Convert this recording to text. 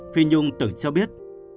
phi nhung từng cho biết